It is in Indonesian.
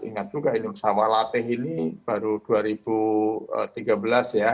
ingat juga ini pesawat plateh ini baru dua ribu tiga belas ya